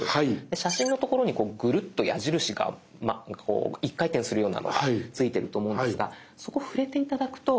で写真の所にグルッと矢印が一回転するようなのが付いてると思うんですがそこ触れて頂くと。